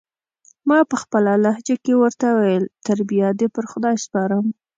ما پخپله لهجه کې ورته وویل: تر بیا دې پر خدای سپارم.